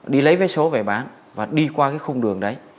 đi lấy vé số về bán và đi qua cái khung đường đấy